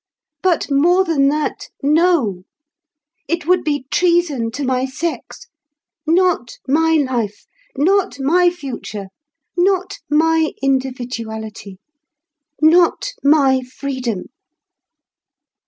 But more than that, no. It would be treason to my sex; not my life, not my future, not my individuality, not my freedom."